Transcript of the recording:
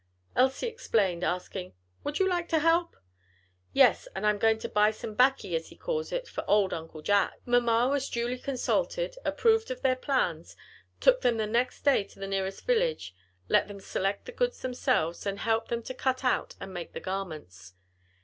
Elsie explained, asking, "Would you like to help?" "Yes, and I'm going to buy some 'baccy' as he calls it, for old Uncle Jack." Mamma was duly consulted, approved of their plans, took them the next day to the nearest village, let them select the goods themselves, then helped them to cut out and make the garments.